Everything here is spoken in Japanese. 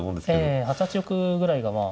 ええ８八玉ぐらいがまあ。